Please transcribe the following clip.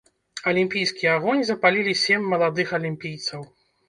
Алімпійскі агонь запалілі сем маладых алімпійцаў.